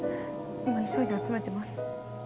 今急いで集めてます